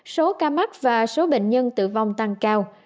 số ca mắc và số bệnh nhân tử vong tăng cao